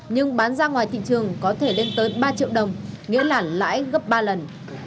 nhưng bán ra ngoài thị trường có thể lên tới ba triệu đồng nghĩa là lãi gấp ba lần